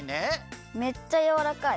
めっちゃやわらかい。